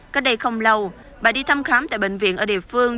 cách đây không lâu bà đi thăm khám tại bệnh viện ở địa phương